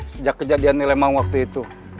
sejak kejadian nilai emang waktu itu